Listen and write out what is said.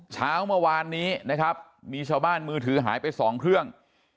เช้าเมื่อวานนี้นะครับมีชาวบ้านมือถือหายไป๒เครื่อง